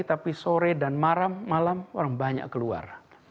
tapi sore dan malam malam orang banyak keluar